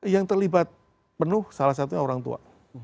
yang terlibat penuh salah satunya orang tua